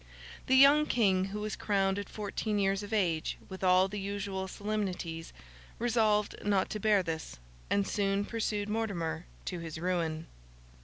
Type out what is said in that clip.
The young King, who was crowned at fourteen years of age with all the usual solemnities, resolved not to bear this, and soon pursued Mortimer to his ruin.